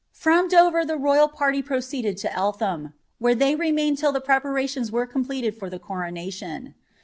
From Dover the royal parly frtr ceeded to Elthara, where they remained till the preparations were eo* ?leted for the qotonation.